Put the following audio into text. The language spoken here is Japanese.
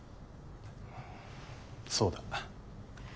そうだ。